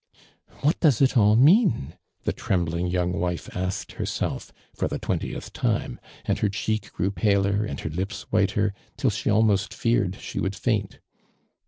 " What does it all mean ?" the trembling young wife asked herself, for the twentieth time ; and her cheek grew paler and her lips whiter, till she almost feared she would faint.